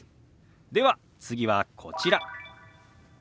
では次はこちら。